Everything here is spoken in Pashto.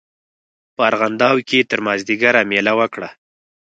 په ارغنداو کې تر مازیګره مېله وکړه.